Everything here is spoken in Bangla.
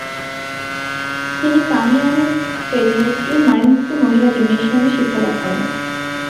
তিনি কামিয়ানেৎস-পোডিলস্কির মারিনস্কি মহিলা জিমনেসিয়ামে শিক্ষা লাভ করেন।